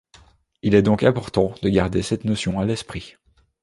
Il est donc important de garder cette notion à l'esprit.